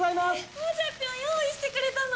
モジャピョン用意してくれたの？